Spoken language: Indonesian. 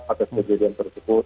atas kejadian tersebut